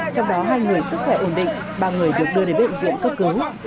trong đó hai người sức khỏe ổn định ba người được đưa đến bệnh viện cấp cứu